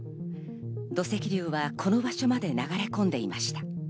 土石流はこの場所まで流れ込んでいました。